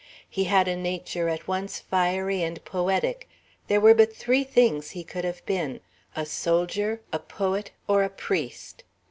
He had a nature at once fiery and poetic; there were but three things he could have been, a soldier, a poet, or a priest.